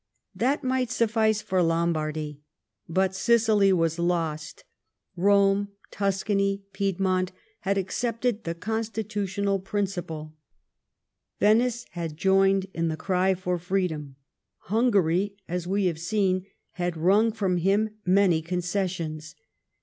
That miglit sufiiice for Lombardy. But Sicily was lost : Eome, Tuscany, Piedmont, had accepted the constitutional principle ; Venice had joined in the cry for freedom ; Hungary, vi& have seen, had wrung from him many concessions.